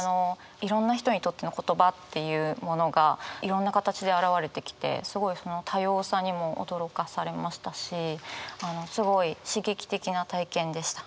いろんな人にとっての言葉っていうものがいろんな形であらわれてきてすごいその多様さにも驚かされましたしすごい刺激的な体験でした。